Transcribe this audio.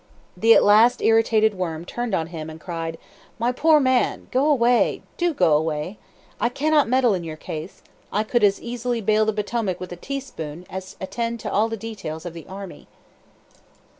The at last irritated worm turned on him, and cried: "My poor man! go away! do go away! I cannot meddle in your case. I could as easily bail the Potomac with a teaspoon as attend to all the details of the army!"